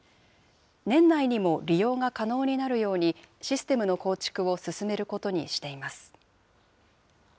年内にも利用が可能になるように、システムの構築を進めることにしています。